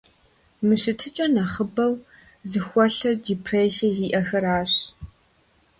Мы щытыкӀэр нэхъыбэу зыхуэлъэр депрессие зиӀэхэращ.